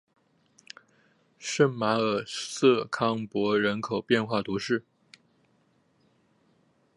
圣马尔瑟康珀人口变化图示